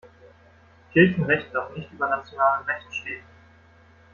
Kirchenrecht darf nicht über nationalem Recht stehen.